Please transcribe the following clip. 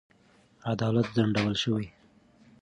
عدالت ځنډول شوی.